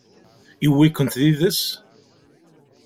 Yewwi-kent yid-s?